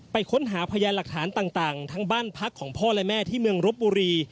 ค้นหาพยานหลักฐานต่างทั้งบ้านพักของพ่อและแม่ที่เมืองรบบุรี